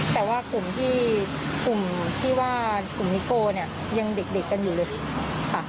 แต่ว่ากลุ่มที่ว่ากลุ่มนิโกยังเด็กกันอยู่เลยค่ะ